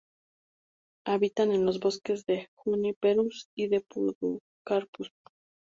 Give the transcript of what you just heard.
Habitan en los bosques de "Juniperus" y "Podocarpus".